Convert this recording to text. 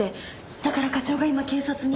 だから課長が今警察に。